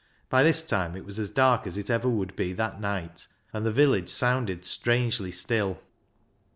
By this time it was as dark as it ever would be that night, and the village sounded strangely still.